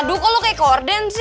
aduh kok lo kayak korden sih